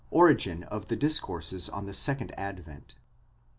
ORIGIN OF THE DISCOURSES ON THE SECOND ADVENT.